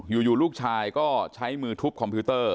ตอนนั้นหลับอยู่อยู่ลูกชายก็ใช้มือทุบคอมพิวเตอร์